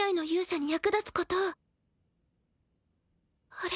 あれ？